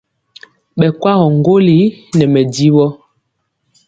Ɓɛ kwagɔ ŋgolli nɛ mɛdivɔ.